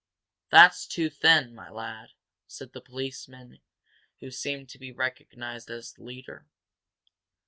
"That's too thin, my lad," said the policeman who seemed to be recognized as the leader.